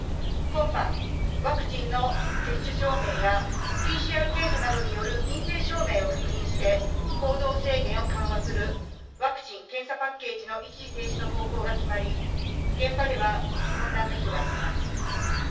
今般、ワクチンの接種証明や、ＰＣＲ検査などによる陰性証明を確認して、行動制限を緩和する、ワクチン・検査パッケージの一時停止の方向が決まり、現場では混乱が広がっています。